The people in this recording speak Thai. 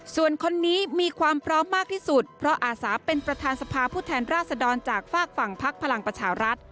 ส่วนคนนี้มีความพร้อมมากที่สุดเพราะอาสาเป็นประธานสภาผู้แทนราชดรจากฝากฝั่งพักพลังประชารัฐ